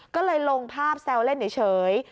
ก็เลยลงภาพแซวเล่นเฉย